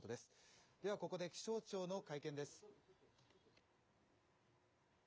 では、ここで気象庁の会見です。